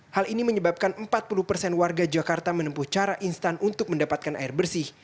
hal ini menyebabkan empat puluh persen warga jakarta menempuh cara instan untuk mendapatkan air bersih